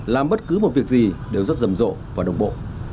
làm bất cứ một việc gì đều rất rầm rộ và đồng bộ